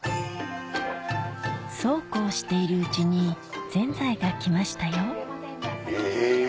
そうこうしているうちにぜんざいが来ましたよへぇ！